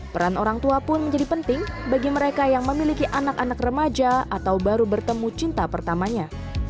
peran orang tua pun menjadi penting bagi mereka yang memiliki anak anak remaja atau baru bertemu cinta pertamanya